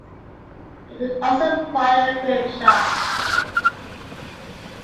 It could also fire grapeshot.